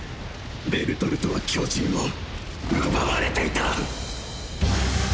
ベルトルトは巨人を奪われていた！！